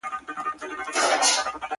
گراني بس څو ورځي لاصبر وكړه